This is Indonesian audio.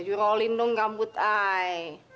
you rolling dong rambut ayah